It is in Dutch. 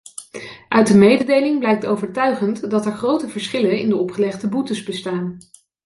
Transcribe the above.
Uit de mededeling blijkt overtuigend dat er grote verschillen in de opgelegde boetes bestaan.